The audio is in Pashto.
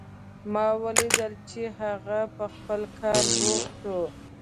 ما ولیدل چې هغه په خپل کار بوخت و